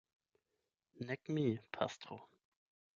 Nek mi, pastro.